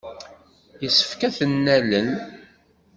Yessefk ad ten-nalel.